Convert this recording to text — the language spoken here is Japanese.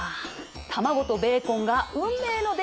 卵とベーコンが運命の出会い！